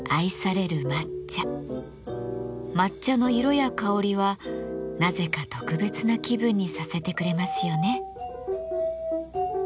抹茶の色や香りはなぜか特別な気分にさせてくれますよね。